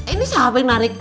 ini siapa yang narik